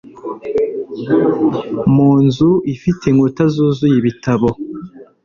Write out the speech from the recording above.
Mu nzu ifite inkuta zuzuye ibitabo